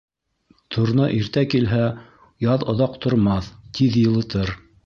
Торна иртә килһә, яҙ оҙаҡ тормаҫ, тиҙ йылытыр.